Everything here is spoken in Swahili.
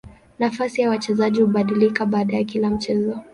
Nafasi ya wachezaji hubadilika baada ya kila mchezo.